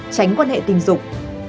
tránh quan hệ tình dục